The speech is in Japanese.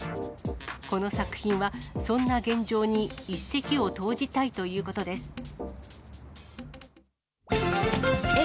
この作品は、そんな現状に一石を投じたいということです。